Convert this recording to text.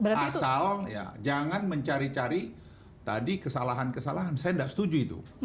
asal ya jangan mencari cari tadi kesalahan kesalahan saya tidak setuju itu